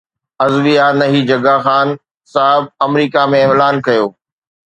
ازويها نهي جگا خان صاحب آمريڪا ۾ اعلان ڪيو